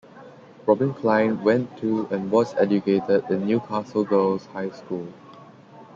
Robin Klein went to and was educated in Newcastle Girls' High School.